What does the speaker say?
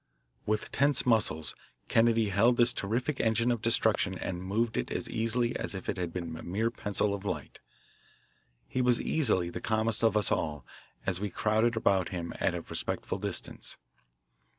With tense muscles Kennedy held this terrific engine of destruction and moved it as easily as if it had been a mere pencil of light. He was easily the calmest of us all as we crowded about him at a respectful distance.